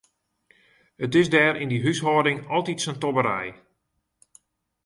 It is dêr yn dy húshâlding altyd sa'n tobberij.